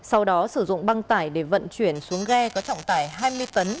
sau đó sử dụng băng tải để vận chuyển xuống ghe có trọng tải hai mươi tấn